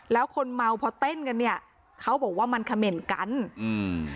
แล้วคนเมาพอเต้นกันเนี้ยเขาบอกว่ามันเขม่นกันอืม